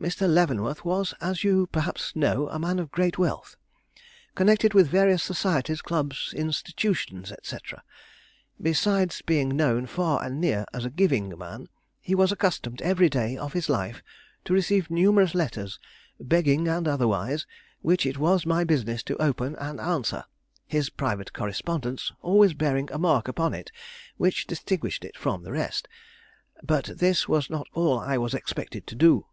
Mr. Leavenworth was, as you perhaps know, a man of great wealth. Connected with various societies, clubs, institutions, etc., besides being known far and near as a giving man, he was accustomed every day of his life to receive numerous letters, begging and otherwise, which it was my business to open and answer, his private correspondence always bearing a mark upon it which distinguished it from the rest. But this was not all I was expected to do.